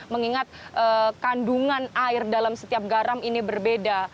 mengingat kandungan air dalam setiap garam ini berbeda